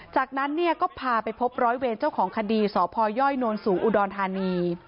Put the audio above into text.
จากนั้นเนี่ยก็พาไปพบร้อยเวรเจ้าของคดีสพยโนนสูงอุดรธานี